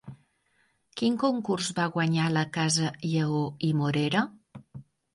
Quin concurs va guanyar la casa Lleó i Morera?